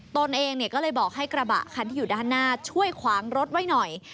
ตนเองก็เลยบอกให้กระบะคันที่อยู่ด้านหน้าช่วยขวางรถไว้หน่อย